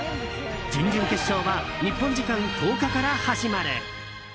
準々決勝は日本時間１０日から始まる。